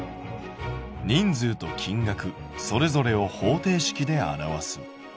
「『人数と金額』それぞれを方程式で表す」。